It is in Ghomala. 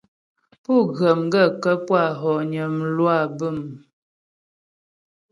Pú ghə̀ m gaə̂kə́ pú a hɔgnə mlwâ bə̂m ?